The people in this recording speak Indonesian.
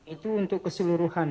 itu untuk keseluruhan